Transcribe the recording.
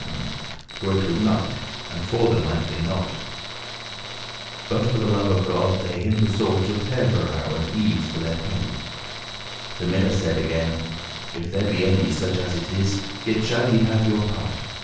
*found For it was night, and forther* might they not, *go their way But for the love of God they him besought Of herberow* and ease, for their penny. *lodging The miller said again," If there be any, Such as it is, yet shall ye have your part.